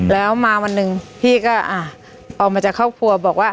แล้วมาวันหนึ่งพี่ก็ออกมาจากครอบครัวบอกว่า